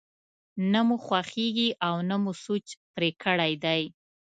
نه مو خوښېږي او نه مو سوچ پرې کړی دی.